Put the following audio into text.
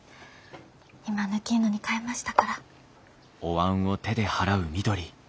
今ぬきいのに替えましたから。